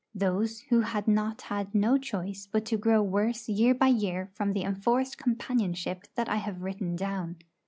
Those who had not had no choice but to grow worse year by year from the enforced companionship that I have written down.